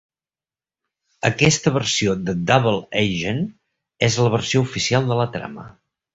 Aquesta versió de Double Agent és la versió oficial de la trama.